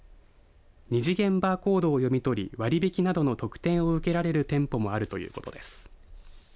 ２次元バーコードを読み取り割引などの特典を受けられる店舗もあるということです。